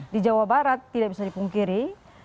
di jawa barat tidak bisa dipungkiri